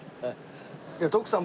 徳さん